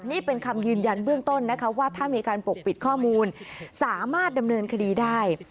นี่เป็นคำยืนยันเบื้องต้นนะคะว่าถ้ามีการปกปิดข้อมูลสามารถดำเนินคดีได้